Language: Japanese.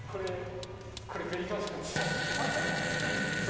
これ、ベリカードなんです。